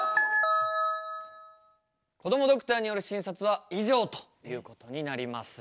こどもドクターによる診察は以上ということになります。